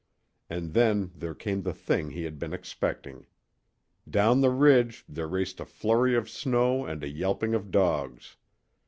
And then there came the thing he had been expecting. Down the ridge there raced a flurry of snow and a yelping of dogs.